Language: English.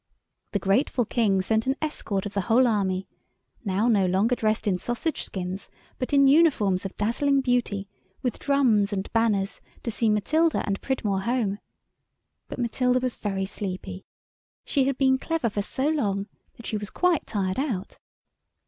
The grateful King sent an escort of the whole Army, now no longer dressed in sausage skins, but in uniforms of dazzling beauty, with drums and banners, to see Matilda and Pridmore home. But Matilda was very sleepy. She had been clever for so long that she was quite tired out.